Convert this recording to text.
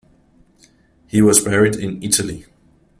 He was buried in Italy.